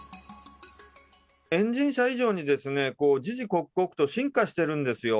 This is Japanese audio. エンジン車以上に、時々刻々と進化してるんですよ。